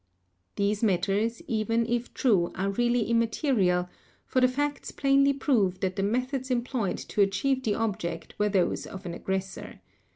These matters, even if true, are really immaterial, for the facts plainly prove that the methods employed to achieve the object were those of an aggressor.